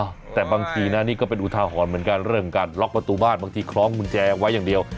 แต่บางทีนะนี่ก็เป็นอุทาหรณ์เหมือนกันเรื่องการล็อกประตูบ้านบางทีคล้องกุญแจไว้อย่างเดียว